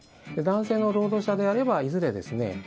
男性の労働者であればいずれですね